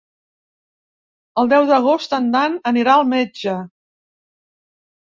El deu d'agost en Dan anirà al metge.